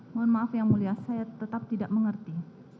mohon maaf yang mulia saya tetap tidak mengerti